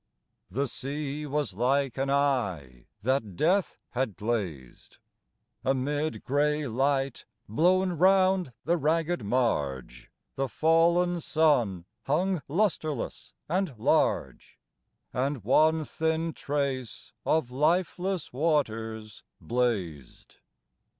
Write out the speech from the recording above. The sea was like an eye that death had glazed ; Amid gray light blown round the ragged marge The fallen sun hung lustreless and large And one thin trace of lifeless waters blazed.